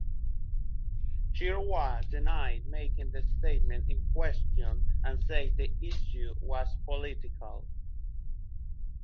Chirwa denied making the statement in question and said the issue was political.